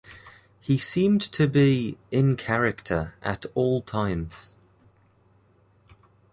He seemed to be "in character" at all times.